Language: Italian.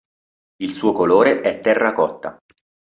Il suo colore è terracotta.